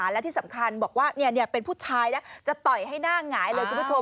และที่สำคัญบอกว่าเป็นผู้ชายนะจะต่อยให้หน้าหงายเลยคุณผู้ชม